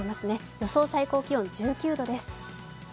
予想最高気温１９度です。